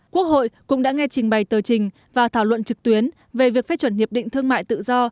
quốc hội cũng đã nghe trình bày tờ trình và thảo luận trực tuyến về việc phê chuẩn hiệp định thương mại tự do